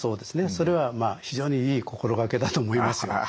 それはまあ非常にいい心掛けだと思いますよ。